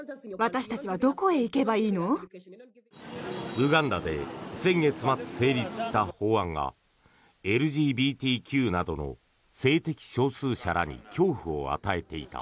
ウガンダで先月末成立した法案がＬＧＢＴＱなどの性的少数者らに恐怖を与えていた。